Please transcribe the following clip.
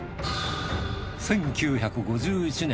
１９５１年